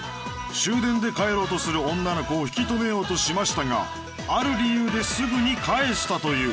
終電で帰ろうとする女の子を引き止めようとしましたがある理由ですぐに帰したという